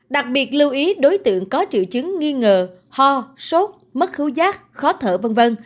đặc biệt lưu ý đối tượng có triệu chứng nghi ngờ ho sốt mất thú giác khó thở v v